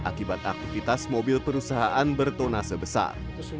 akibat aktivitas mobil perusahaan bertona sebesar